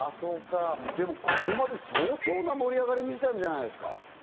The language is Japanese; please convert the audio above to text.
でも、ここまで相当な盛り上がりを見せたんじゃないですか？